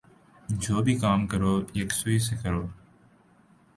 جو بھی کام کرو یکسوئی سے کرو